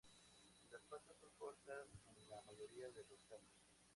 Las patas son cortas en la mayoría de los casos.